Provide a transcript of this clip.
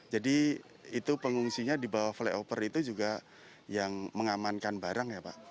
jadi itu pengungsinya di bawah flyover itu juga yang mengamankan barang ya pak